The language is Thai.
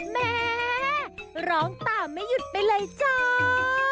แม่ร้องตามไม่หยุดไปเลยจ้า